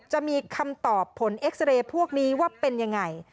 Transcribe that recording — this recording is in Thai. จะมีคำตอบผลเอ็กซาเรย์พวกนี้ว่าเป็นยังไง